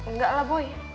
nggak lah boy